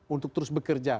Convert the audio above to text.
untuk terus bekerja